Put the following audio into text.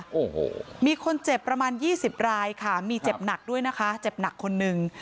โอ้โหมีคนเจ็บประมาณยี่สิบรายค่ะมีเจ็บหนักด้วยนะคะเจ็บหนักคนหนึ่ง